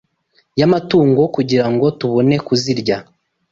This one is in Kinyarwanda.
y’amatungo kugira ngo tubone kuzirya?